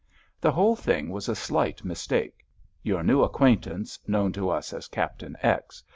"The whole thing was a slight mistake. Your new acquaintance, known to us as Captain X.